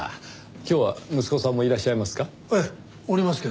今日は息子さんもいらっしゃいますか？